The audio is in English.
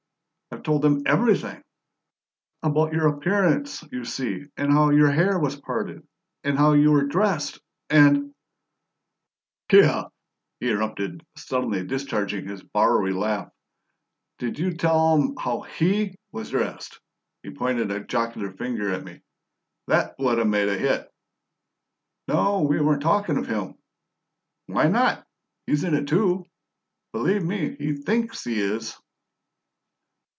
I've told them everything about your appearance you see, and how your hair was parted, and how you were dressed, and " "Luk here," he interrupted, suddenly discharging his Bowery laugh, "did you tell 'em how HE was dressed?" He pointed a jocular finger at me. "That WUD 'a' made a hit!" "No; we weren't talking of him." "Why not? He's in it, too. Bullieve me, he THINKS he is!"